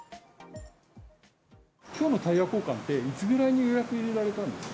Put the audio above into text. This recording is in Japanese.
きょうのタイヤ交換って、いつぐらいに予約を入れられたんですか？